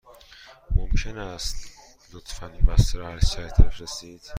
ممکن است لطفاً این بسته را هرچه سریع تر بفرستید؟